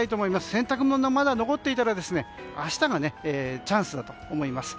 洗濯もの、まだ残っていたら明日がチャンスだと思います。